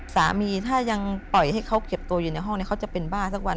สามีถ้ายังปล่อยให้เขาเก็บตัวอยู่ในห้องเขาจะเป็นบ้าสักวัน